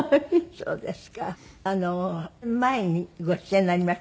「そうです。